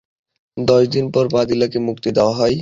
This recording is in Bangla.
দশ দিন পর পাদিলাকে মুক্তি দেওয়া হয়।